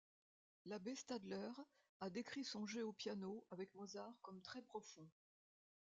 L'Abbé Stadler a décrit son jeu au piano avec Mozart comme très profond.